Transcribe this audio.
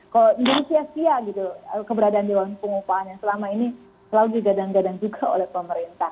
kalau jadi sia sia gitu keberadaan dewan pengupahan yang selama ini selalu digadang gadang juga oleh pemerintah